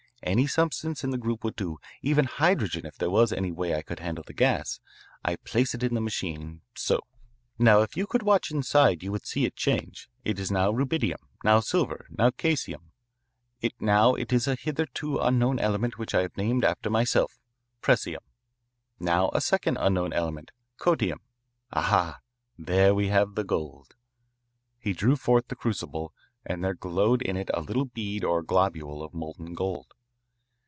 Any substance in the group would do, even hydrogen if there was any way I could handle the gas. I place it in the machine so. Now if you could watch inside you would see it change; it is now rubidium, now silver, now caesium. Now it is a hitherto unknown element which I have named after myself, presium, now a second unknown element, cottium ah! there we have gold." He drew forth the crucible, and there glowed in it a little bead or globule of molten gold.